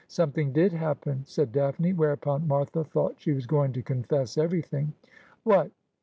' Something did happen,' said Daphne ; whereupon Martha thought she was going to confess everything. ' What